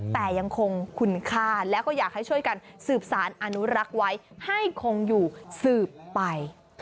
แต่ยังคงคุณค่าแล้วก็อยากให้ช่วยกันสืบสารอนุรักษ์ไว้ให้คงอยู่สืบไป